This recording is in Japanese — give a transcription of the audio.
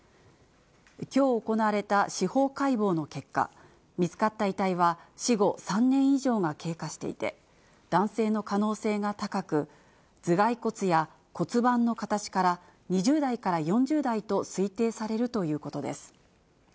きょう行われた司法解剖の結果、見つかった遺体は死後３年以上が経過していて、男性の可能性が高く、頭蓋骨や骨盤の形から、２０代から４０代と推定されるということです。